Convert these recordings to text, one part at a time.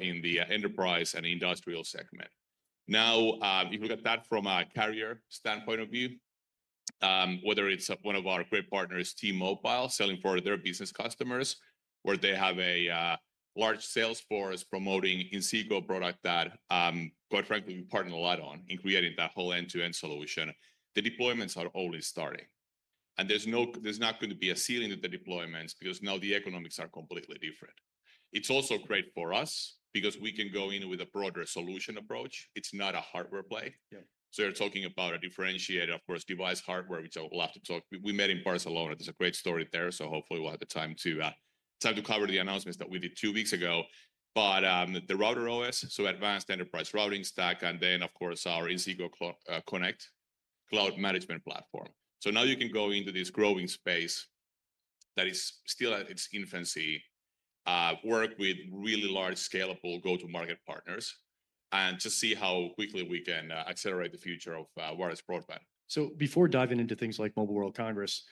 In the enterprise and industrial segment. Now, if you look at that from a carrier standpoint of view, whether it's one of our great partners, T-Mobile, selling for their business customers, where they have a large sales force promoting Inseego product that, quite frankly, we partner a lot on in creating that whole end-to-end solution. The deployments are only starting, and there's not going to be a ceiling to the deployments because now the economics are completely different. It's also great for us because we can go in with a broader solution approach. It's not a hardware play. You are talking about a differentiated, of course, device hardware, which I will have to talk. We met in Barcelona. There's a great story there, so hopefully we'll have the time to cover the announcements that we did two weeks ago. The router OS, so advanced enterprise routing stack, and then, of course, our Inseego Connect cloud management platform. Now you can go into this growing space that is still at its infancy, work with really large scalable go-to-market partners, and just see how quickly we can accelerate the future of wireless broadband. Before diving into things like Mobile World Congress,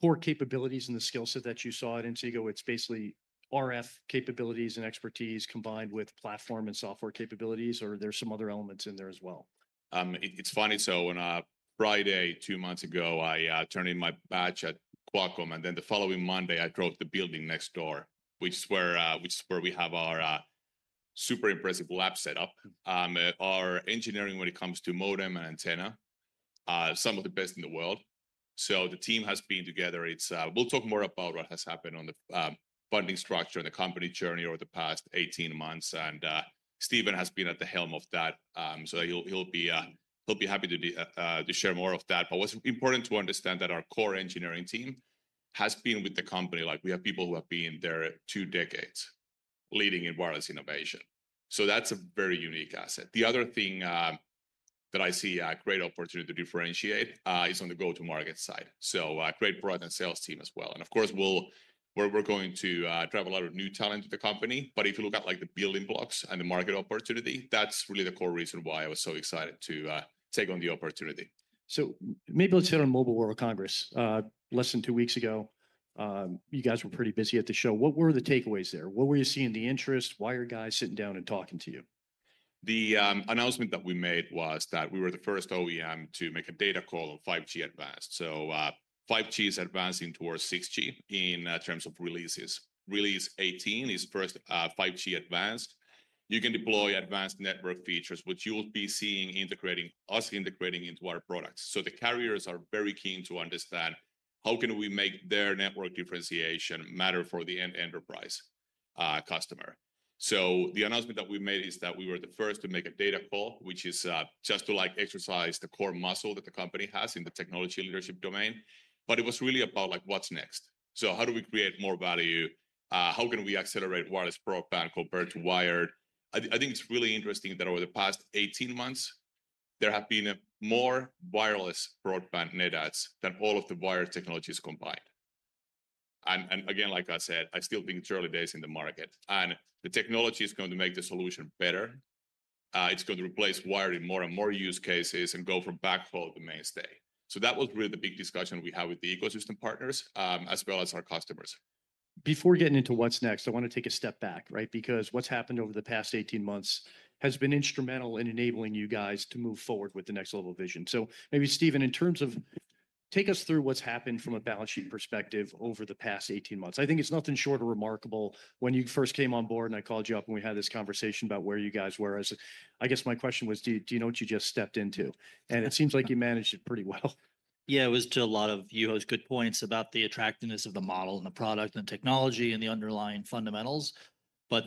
core capabilities in the skill set that you saw at Inseego, it's basically RF capabilities and expertise combined with platform and software capabilities, or are there some other elements in there as well? It's funny. On a Friday, two months ago, I turned in my badge at Qualcomm, and then the following Monday, I drove to the building next door, which is where we have our super impressive lab setup. Our engineering, when it comes to modem and antenna, is some of the best in the world. The team has been together. We'll talk more about what has happened on the funding structure and the company journey over the past 18 months, and Steven has been at the helm of that, so he'll be happy to share more of that. What's important to understand is that our core engineering team has been with the company. We have people who have been there two decades leading in wireless innovation. That's a very unique asset. The other thing that I see a great opportunity to differentiate is on the go-to-market side. A great product and sales team as well. Of course, we're going to drive a lot of new talent to the company. If you look at like the building blocks and the market opportunity, that's really the core reason why I was so excited to take on the opportunity. Maybe let's hear on Mobile World Congress. Less than two weeks ago, you guys were pretty busy at the show. What were the takeaways there? What were you seeing the interest? Why are guys sitting down and talking to you? The announcement that we made was that we were the first OEM to make a data call on 5G Advanced. 5G is advancing towards 6G in terms of releases. Release 18 is first 5G Advanced. You can deploy advanced network features, which you'll be seeing integrating us, integrating into our products. The carriers are very keen to understand how can we make their network differentiation matter for the end enterprise customer. The announcement that we made is that we were the first to make a data call, which is just to like exercise the core muscle that the company has in the technology leadership domain. It was really about like what's next. How do we create more value? How can we accelerate wireless broadband compared to wired? I think it's really interesting that over the past 18 months, there have been more wireless broadband net adds than all of the wireless technologies combined. Like I said, I still think it's early days in the market, and the technology is going to make the solution better. It's going to replace wiring more and more use cases and go from backhaul to mainstay. That was really the big discussion we had with the ecosystem partners as well as our customers. Before getting into what's next, I want to take a step back, right? Because what's happened over the past 18 months has been instrumental in enabling you guys to move forward with the next level vision. Maybe, Steven, in terms of take us through what's happened from a balance sheet perspective over the past 18 months. I think it's nothing short of remarkable. When you first came on board and I called you up and we had this conversation about where you guys were, I guess my question was, do you know what you just stepped into? It seems like you managed it pretty well. Yeah, it was to a lot of your host good points about the attractiveness of the model and the product and the technology and the underlying fundamentals.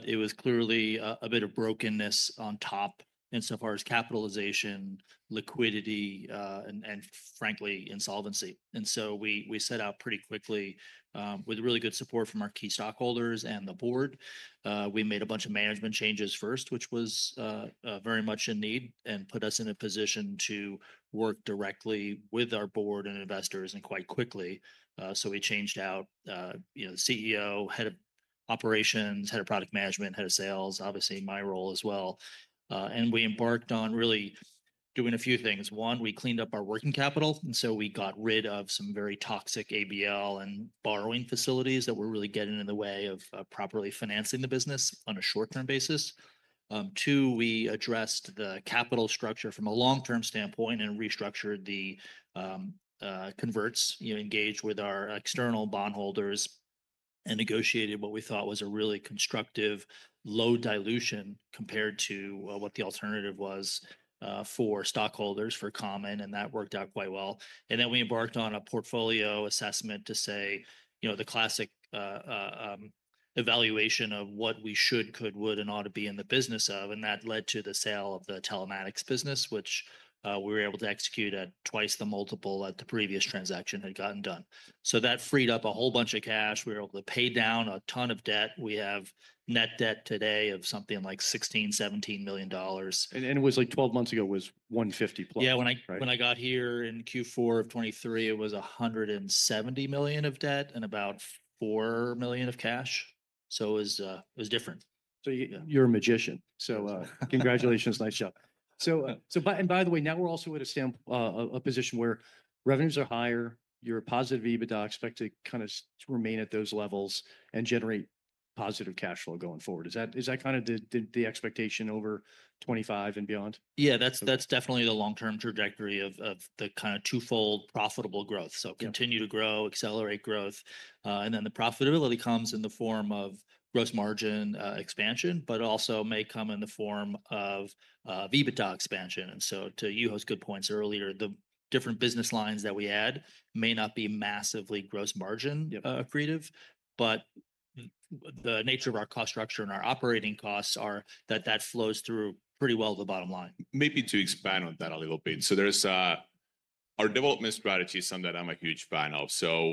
It was clearly a bit of brokenness on top insofar as capitalization, liquidity, and frankly, insolvency. We set out pretty quickly with really good support from our key stockholders and the board. We made a bunch of management changes first, which was very much in need and put us in a position to work directly with our board and investors quite quickly. We changed out, you know, the CEO, Head of Operations, Head of Product Management, Head of Sales, obviously my role as well. We embarked on really doing a few things. One, we cleaned up our working capital. We got rid of some very toxic ABL and borrowing facilities that were really getting in the way of properly financing the business on a short-term basis. Two, we addressed the capital structure from a long-term standpoint and restructured the converts, you know, engaged with our external bondholders and negotiated what we thought was a really constructive low dilution compared to what the alternative was for stockholders for common. That worked out quite well. We embarked on a portfolio assessment to say, you know, the classic evaluation of what we should, could, would, and ought to be in the business of. That led to the sale of the telematics business, which we were able to execute at twice the multiple that the previous transaction had gotten done. That freed up a whole bunch of cash. We were able to pay down a ton of debt. We have net debt today of something like $16 million-$17 million. It was like 12 months ago, it was $150+. Yeah, when I got here in Q4 of 2023, it was $170 million of debt and about $4 million of cash. So it was different. You're a magician. Congratulations. Nice job. By the way, now we're also at a position where revenues are higher, you're a positive EBITDA, expect to kind of remain at those levels and generate positive cash flow going forward. Is that kind of the expectation over 2025 and beyond? Yeah, that's definitely the long-term trajectory of the kind of twofold profitable growth. Continue to grow, accelerate growth. The profitability comes in the form of gross margin expansion, but also may come in the form of EBITDA expansion. To your host's good points earlier, the different business lines that we add may not be massively gross margin accretive, but the nature of our cost structure and our operating costs are that that flows through pretty well to the bottom line. Maybe to expand on that a little bit. There is our development strategy, something that I'm a huge fan of.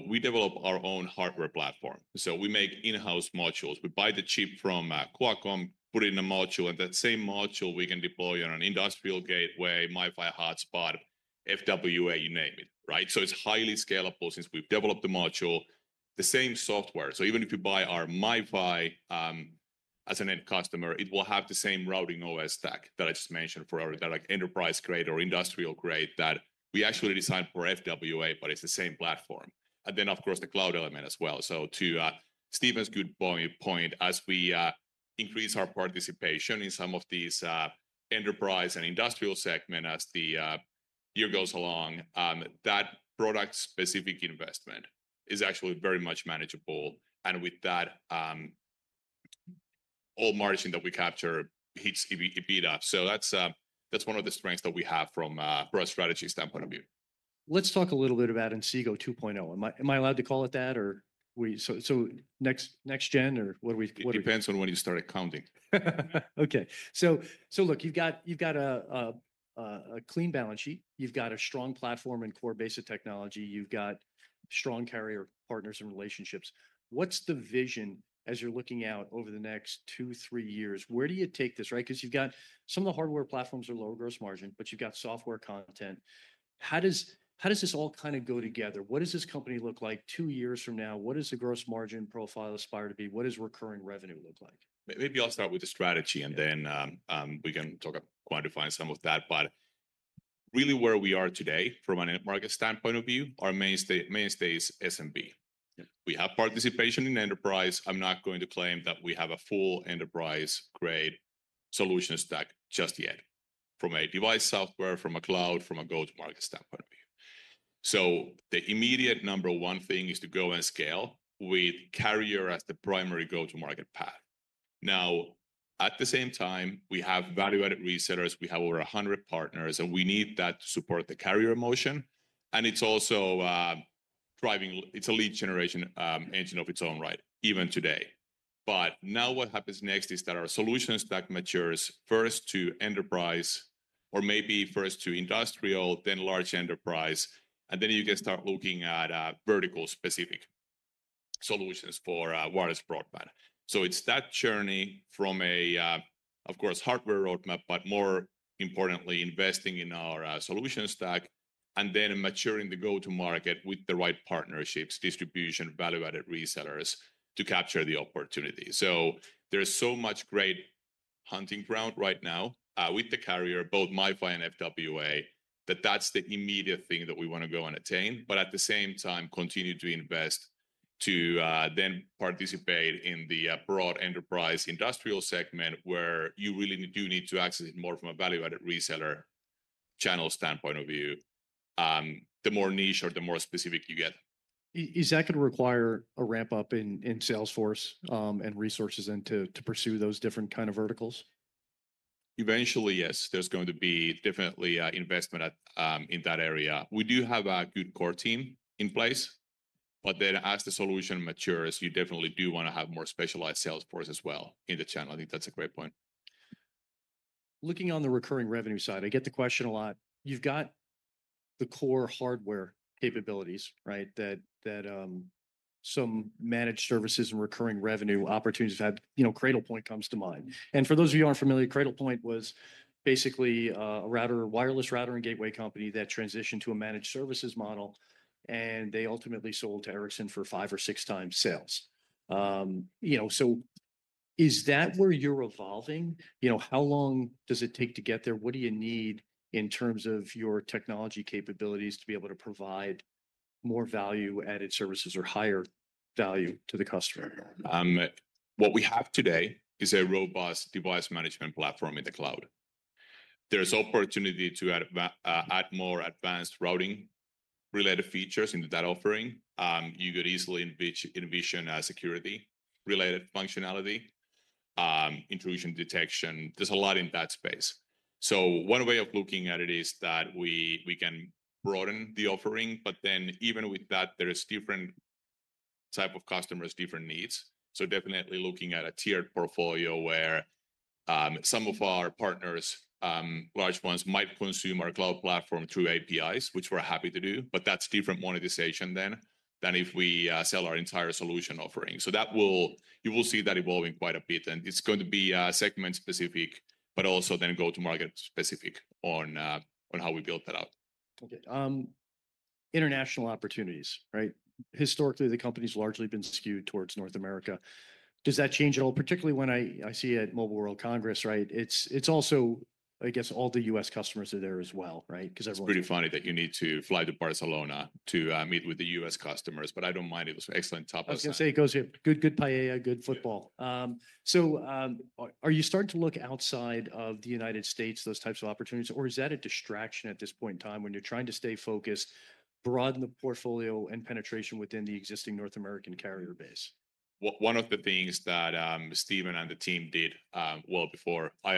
We develop our own hardware platform. We make in-house modules. We buy the chip from Qualcomm, put it in a module, and that same module we can deploy on an industrial gateway, MiFi hotspot, FWA, you name it, right? It is highly scalable since we've developed the module, the same software. Even if you buy our MiFi as an end customer, it will have the same routing OS stack that I just mentioned for our enterprise grade or industrial grade that we actually designed for FWA, but it is the same platform. Of course, the cloud element as well. To Steven's good point, as we increase our participation in some of these enterprise and industrial segments as the year goes along, that product-specific investment is actually very much manageable. With that, all margin that we capture hits EBITDA. That's one of the strengths that we have from a strategy standpoint of view. Let's talk a little bit about Inseego 2.0. Am I allowed to call it that? Or so next gen, or what do we? It depends on when you start accounting. Okay. Look, you've got a clean balance sheet. You've got a strong platform and core basic technology. You've got strong carrier partners and relationships. What's the vision as you're looking out over the next two, three years? Where do you take this, right? Because you've got some of the hardware platforms are lower gross margin, but you've got software content. How does this all kind of go together? What does this company look like two years from now? What does the gross margin profile aspire to be? What does recurring revenue look like? Maybe I'll start with the strategy, and then we can talk about quantifying some of that. Really where we are today from a net market standpoint of view, our mainstay is SMB. We have participation in enterprise. I'm not going to claim that we have a full enterprise-grade solution stack just yet from a device software, from a cloud, from a go-to-market standpoint of view. The immediate number one thing is to go and scale with carrier as the primary go-to-market path. At the same time, we have value-added resellers. We have over 100 partners, and we need that to support the carrier motion. It's also driving; it's a lead generation engine of its own, right? Even today. What happens next is that our solution stack matures first to enterprise, or maybe first to industrial, then large enterprise, and then you can start looking at vertical-specific solutions for wireless broadband. It is that journey from a, of course, hardware roadmap, but more importantly, investing in our solution stack and then maturing the go-to-market with the right partnerships, distribution, value-added resellers to capture the opportunity. There is so much great hunting ground right now with the carrier, both MiFi and FWA, that that is the immediate thing that we want to go and attain. At the same time, continue to invest to then participate in the broad enterprise industrial segment where you really do need to access it more from a value-added reseller channel standpoint of view, the more niche or the more specific you get. Is that going to require a ramp up in sales force and resources to pursue those different kind of verticals? Eventually, yes. There's going to be definitely investment in that area. We do have a good core team in place, but then as the solution matures, you definitely do want to have more specialized sales force as well in the channel. I think that's a great point. Looking on the recurring revenue side, I get the question a lot. You've got the core hardware capabilities, right? That some managed services and recurring revenue opportunities have had, you know, Cradlepoint comes to mind. And for those of you who aren't familiar, Cradlepoint was basically a router, wireless routing gateway company that transitioned to a managed services model, and they ultimately sold to Ericsson for 5x or 6x sales. You know, is that where you're evolving? You know, how long does it take to get there? What do you need in terms of your technology capabilities to be able to provide more value-added services or higher value to the customer? What we have today is a robust device management platform in the cloud. There is opportunity to add more advanced routing-related features into that offering. You could easily envision security-related functionality, intrusion detection. There is a lot in that space. One way of looking at it is that we can broaden the offering, but even with that, there are different types of customers, different needs. Definitely looking at a tiered portfolio where some of our partners, large ones, might consume our cloud platform through APIs, which we are happy to do, but that is different monetization than if we sell our entire solution offering. You will see that evolving quite a bit, and it is going to be segment-specific, but also go-to-market-specific on how we build that out. Okay. International opportunities, right? Historically, the company's largely been skewed towards North America. Does that change at all? Particularly when I see it at Mobile World Congress, right? It's also, I guess, all the U.S. customers are there as well, right? Because everyone. It's pretty funny that you need to fly to Barcelona to meet with the U.S. customers, but I don't mind. It was an excellent topic. I was going to say it goes here. Good, good paella, good football. Are you starting to look outside of the United States, those types of opportunities, or is that a distraction at this point in time when you're trying to stay focused, broaden the portfolio and penetration within the existing North American carrier base? One of the things that Steven and the team did well before I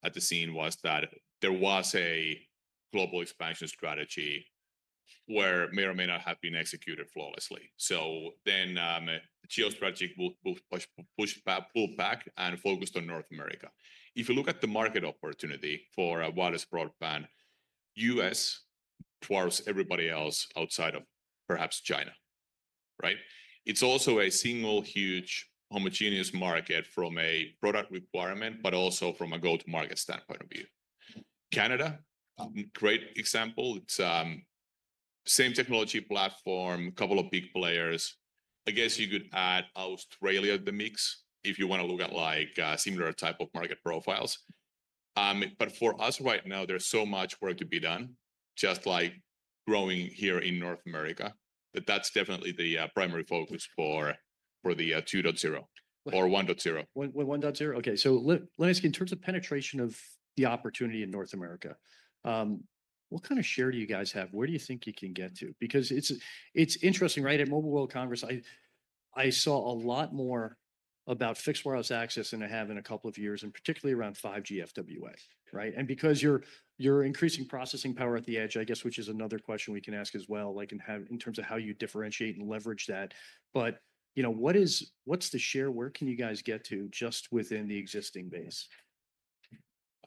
arrived at the scene was that there was a global expansion strategy where may or may not have been executed flawlessly. The geostrategy pull back and focused on North America. If you look at the market opportunity for wireless broadband, U.S. dwarfs everybody else outside of perhaps China, right? It's also a single huge homogeneous market from a product requirement, but also from a go-to-market standpoint of view. Canada, great example. It's the same technology platform, a couple of big players. I guess you could add Australia to the mix if you want to look at like similar type of market profiles. For us right now, there's so much work to be done, just like growing here in North America, that that's definitely the primary focus for the 2.0 or 1.0. Okay. Let me ask you, in terms of penetration of the opportunity in North America, what kind of share do you guys have? Where do you think you can get to? It's interesting, right? At Mobile World Congress, I saw a lot more about fixed wireless access than I have in a couple of years, and particularly around 5G FWA, right? Because you're increasing processing power at the edge, I guess, which is another question we can ask as well, like in terms of how you differentiate and leverage that. You know, what's the share? Where can you guys get to just within the existing base?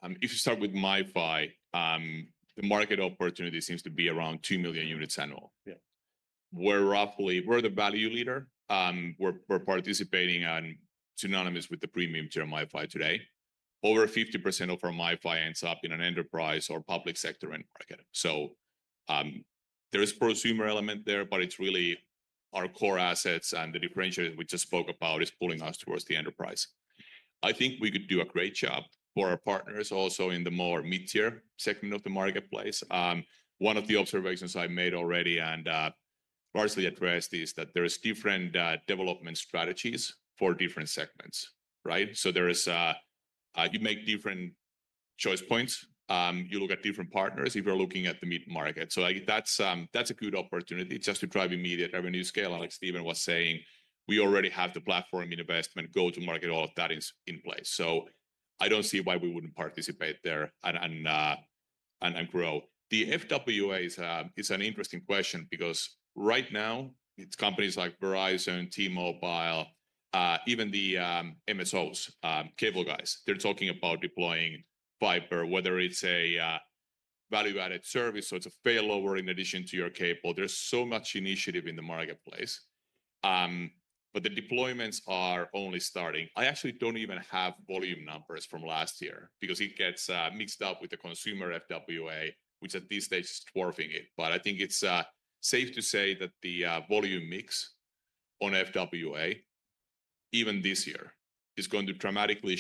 If you start with MiFi, the market opportunity seems to be around 2 million units annual. We're roughly the value leader. We're participating on synonymous with the premium tier MiFi today. Over 50% of our MiFi ends up in an enterprise or public sector end market. So there's a prosumer element there, but it's really our core assets and the differentiator that we just spoke about is pulling us towards the enterprise. I think we could do a great job for our partners also in the more mid-tier segment of the marketplace. One of the observations I made already and largely addressed is that there are different development strategies for different segments, right? So there is, you make different choice points. You look at different partners if you're looking at the mid-market. So that's a good opportunity just to drive immediate revenue scale. Like Steven was saying, we already have the platform investment, go-to-market, all of that is in place. I don't see why we wouldn't participate there and grow. The FWA is an interesting question because right now it's companies like Verizon, T-Mobile, even the MSOs, cable guys, they're talking about deploying fiber, whether it's a value-added service or it's a failover in addition to your cable. There's so much initiative in the marketplace, but the deployments are only starting. I actually don't even have volume numbers from last year because it gets mixed up with the consumer FWA, which at this stage is dwarfing it. I think it's safe to say that the volume mix on FWA even this year is going to dramatically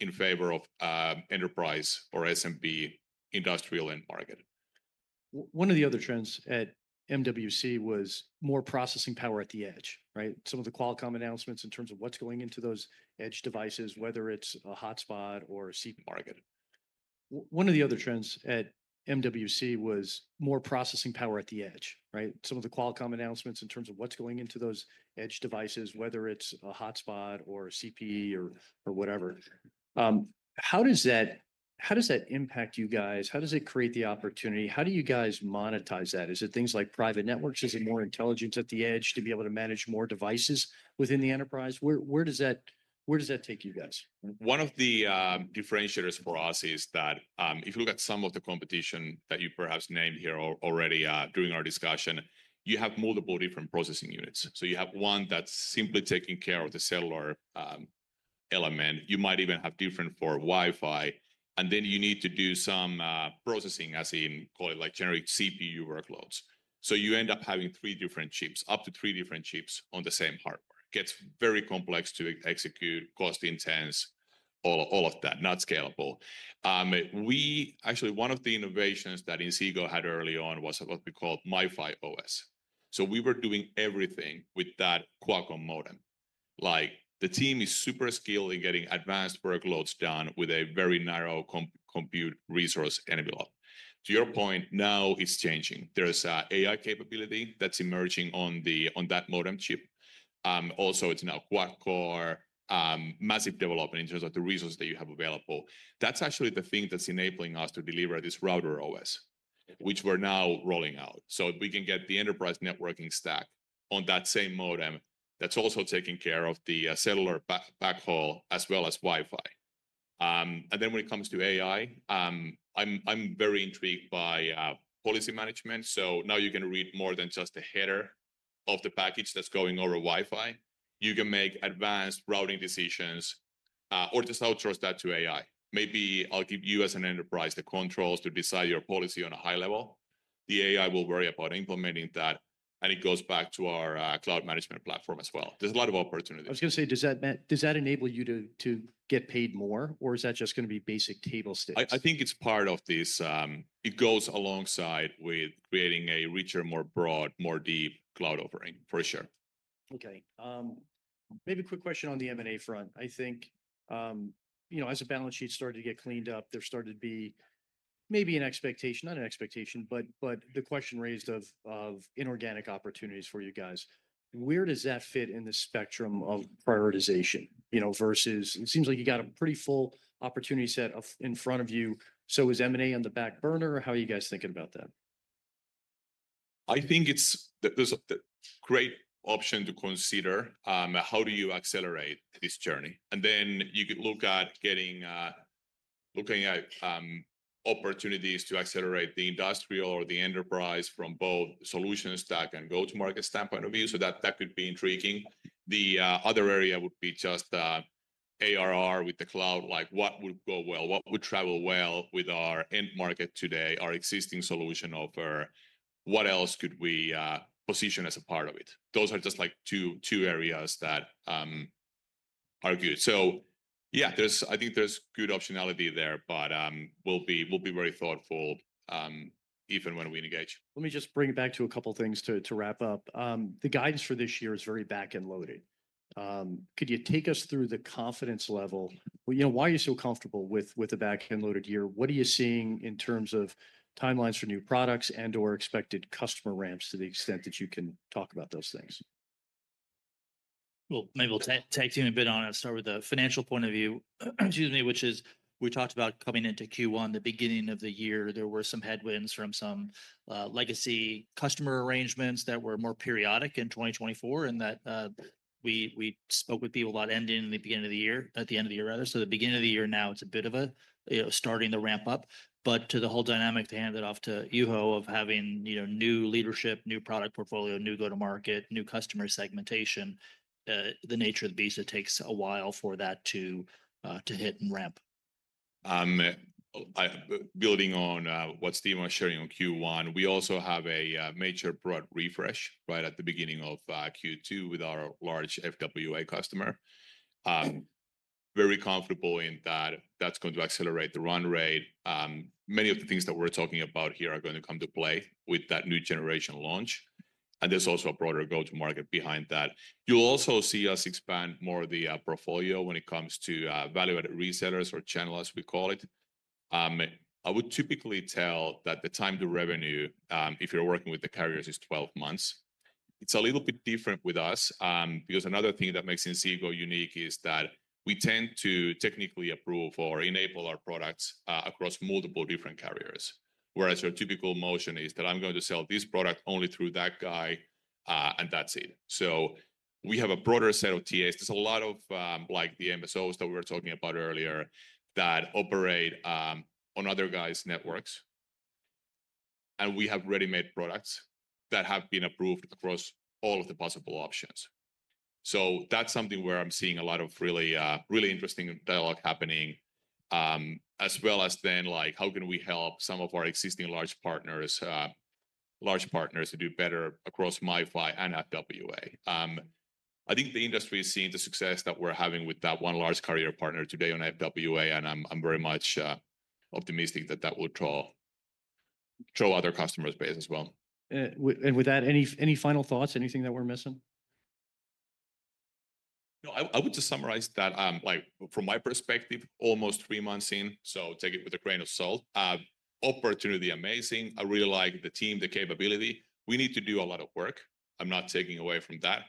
shift in favor of enterprise or SMB industrial end market. One of the other trends at MWC was more processing power at the edge, right? Some of the Qualcomm announcements in terms of what's going into those edge devices, whether it's a hotspot or a CPE. Market. One of the other trends at MWC was more processing power at the edge, right? Some of the Qualcomm announcements in terms of what's going into those edge devices, whether it's a hotspot or a CPE or whatever. How does that impact you guys? How does it create the opportunity? How do you guys monetize that? Is it things like private networks? Is it more intelligence at the edge to be able to manage more devices within the enterprise? Where does that take you guys? One of the differentiators for us is that if you look at some of the competition that you perhaps named here already during our discussion, you have multiple different processing units. You have one that's simply taking care of the cellular element. You might even have different for Wi-Fi. You need to do some processing, as in call it like generic CPU workloads. You end up having three different chips, up to three different chips on the same hardware. It gets very complex to execute, cost intense, all of that, not scalable. One of the innovations that Inseego had early on was what we called MiFi OS. We were doing everything with that Qualcomm modem. The team is super skilled in getting advanced workloads done with a very narrow compute resource envelope. To your point, now it's changing. There's AI capability that's emerging on that modem chip. Also, it's now quad-core, massive development in terms of the resources that you have available. That's actually the thing that's enabling us to deliver this router OS, which we're now rolling out. We can get the enterprise networking stack on that same modem that's also taking care of the cellular backhaul as well as Wi-Fi. When it comes to AI, I'm very intrigued by policy management. Now you can read more than just the header of the package that's going over Wi-Fi. You can make advanced routing decisions or just outsource that to AI. Maybe I'll give you as an enterprise the controls to decide your policy on a high level. The AI will worry about implementing that, and it goes back to our cloud management platform as well. There's a lot of opportunity. I was going to say, does that enable you to get paid more, or is that just going to be basic table stakes? I think it's part of this. It goes alongside with creating a richer, more broad, more deep cloud offering for sure. Okay. Maybe a quick question on the M&A front. I think, you know, as a balance sheet started to get cleaned up, there started to be maybe an expectation, not an expectation, but the question raised of inorganic opportunities for you guys. Where does that fit in the spectrum of prioritization, you know, versus it seems like you got a pretty full opportunity set in front of you. Is M&A on the back burner? How are you guys thinking about that? I think it's a great option to consider. How do you accelerate this journey? You could look at getting, looking at opportunities to accelerate the industrial or the enterprise from both solution stack and go-to-market standpoint of view. That could be intriguing. The other area would be just ARR with the cloud, like what would go well, what would travel well with our end market today, our existing solution offer, what else could we position as a part of it? Those are just like two areas that are good. I think there's good optionality there, but we'll be very thoughtful even when we engage. Let me just bring it back to a couple of things to wrap up. The guidance for this year is very back-end loaded. Could you take us through the confidence level? You know, why are you so comfortable with a back-end loaded year? What are you seeing in terms of timelines for new products and/or expected customer ramps to the extent that you can talk about those things? Maybe I'll take you in a bit on it. I'll start with the financial point of view, excuse me, which is we talked about coming into Q1, the beginning of the year, there were some headwinds from some legacy customer arrangements that were more periodic in 2024 and that we spoke with people about ending at the end of the year. The beginning of the year now, it's a bit of a starting to ramp up, but to the whole dynamic to hand it off to Juho of having new leadership, new product portfolio, new go-to-market, new customer segmentation, the nature of the beast, it takes a while for that to hit and ramp. Building on what Steven was sharing on Q1, we also have a major broad refresh right at the beginning of Q2 with our large FWA customer. Very comfortable in that that's going to accelerate the run rate. Many of the things that we're talking about here are going to come to play with that new generation launch. There is also a broader go-to-market behind that. You'll also see us expand more of the portfolio when it comes to value-added resellers or channels, we call it. I would typically tell that the time to revenue, if you're working with the carriers, is 12 months. It's a little bit different with us because another thing that makes Inseego unique is that we tend to technically approve or enable our products across multiple different carriers, whereas your typical motion is that I'm going to sell this product only through that guy and that's it. We have a broader set of TAs. There's a lot of like the MSOs that we were talking about earlier that operate on other guys' networks. We have ready-made products that have been approved across all of the possible options. That's something where I'm seeing a lot of really interesting dialogue happening, as well as then like how can we help some of our existing large partners to do better across MiFi and FWA. I think the industry is seeing the success that we're having with that one large carrier partner today on FWA, and I'm very much optimistic that that will draw other customers' base as well. With that, any final thoughts, anything that we're missing? I would just summarize that from my perspective, almost three months in, so take it with a grain of salt. Opportunity, amazing. I really like the team, the capability. We need to do a lot of work. I'm not taking away from that.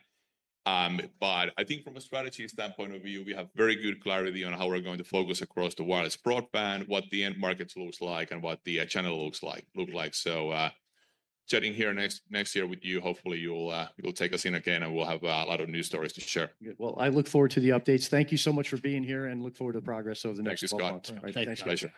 I think from a strategy standpoint of view, we have very good clarity on how we're going to focus across the wireless broadband, what the end markets looks like, and what the channel looks like. Chatting here next year with you, hopefully you'll take us in again and we'll have a lot of new stories to share. I look forward to the updates. Thank you so much for being here and look forward to the progress over the next couple of months. Thank you, Scott. Thank you.